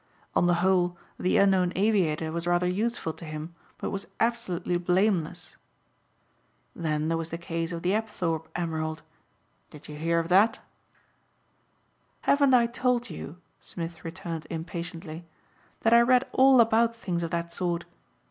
"On the whole the unknown aviator was rather useful to him but was absolutely blameless. Then there was the case of the Apthorpe emerald. Did you hear of that?" "Haven't I told you," Smith returned impatiently, "that I read all about things of that sort?